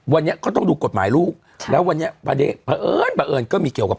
วันเนี่ยก็ต้องดูกฎหมายรูปแล้ววันเดี๋ยวประเอิญก็มีเกี่ยวกับ